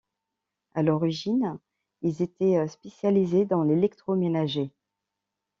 À l'origine, ils étaient spécialisés dans l'électroménager.